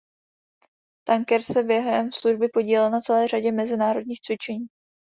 Tanker se během služby podílel na celé řadě mezinárodních cvičení.